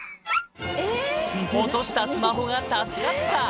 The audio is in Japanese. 落としたスマホが助かった。